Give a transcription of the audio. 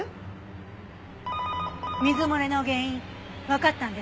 水漏れの原因わかったんですか？